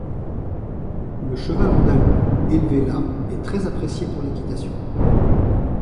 Le cheval andalou, élevé là, est très apprécié pour l'équitation.